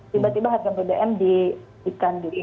tiba tiba harga bbm diikan diri